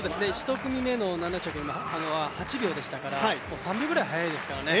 １組目の７着は８秒でしたから３秒ぐらい速いですね。